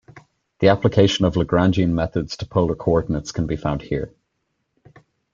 The application of Lagrangian methods to polar coordinates can be found here.